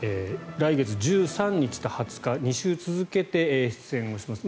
来月１３日と２０日２週続けて出演をします。